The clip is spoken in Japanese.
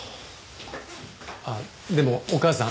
あっでもお母さん。